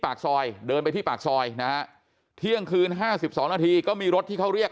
ปากซอยเดินไปที่ปากซอยนะฮะเที่ยงคืน๕๒นาทีก็มีรถที่เขาเรียก